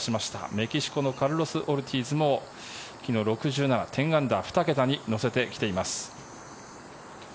メキシコのカルロス・オルティーズも昨日６７、１０アンダー２桁に乗せてきています。